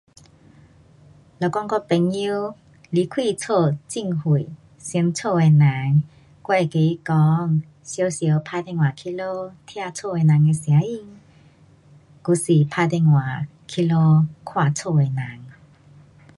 若讲我朋友离开家很远，想家的人，我会跟他讲常常打电话去家，听家的人的声音。还是打电话去家看家的人。